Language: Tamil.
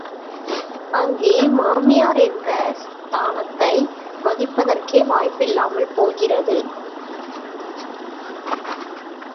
அங்கே மாமியார் என்ற ஸ்தானத்தை வகிப்பதற்கே வாய்ப்பில்லாமல் போகிறது.